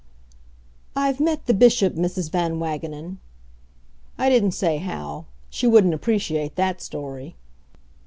"I've met the Bishop, Mrs. Van Wagenen." I didn't say how she wouldn't appreciate that story.